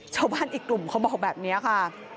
ชาวบ้านอีกกลุ่มเขาบอกแบบนี้ค่ะ